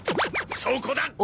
そこだ！